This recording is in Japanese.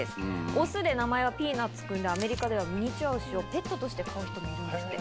雄で名前はピーナッツ君で、アメリカではミニチュア牛をペットとして飼う人もいるんですって。